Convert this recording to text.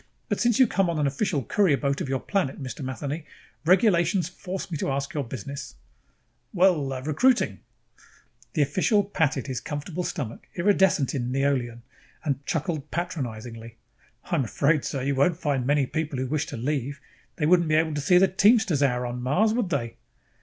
But since you came on an official courier boat of your planet, Mr. Matheny, regulations force me to ask your business." "Well recruiting." The official patted his comfortable stomach, iridescent in neolon, and chuckled patronizingly. "I am afraid, sir, you won't find many people who wish to leave. They wouldn't be able to see the Teamsters Hour on Mars, would they?"